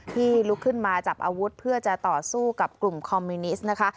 ลุกขึ้นมาจับอาวุธเพื่อจะต่อสู้กับกลุ่มคอมมิวนิสต์นะคะ